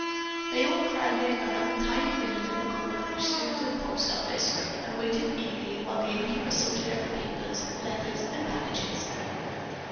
They all crowded around the tiny window in the corner which served as postoffice and waited eagerly while the innkeeper sorted out the papers, letters and packages.